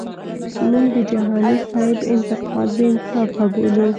مونږ د جهانی سیب انتقاد بی انصافه بولو.